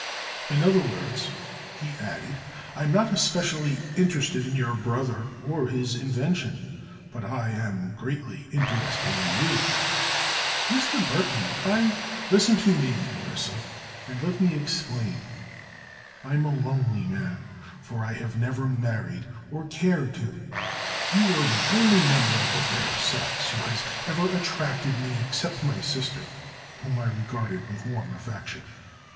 "In other words," he added, "I'm not especially interested in your brother or his invention; but I am greatly interested in you." "Mr. Burthon, I—" "Listen to me, Orissa, and let me explain. I'm a lonely man, for I have never married—or cared to. You are the only member of the fair sex who has ever attracted me except my sister, whom I regarded with warm affection.